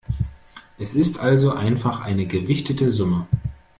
Es ist also einfach eine gewichtete Summe.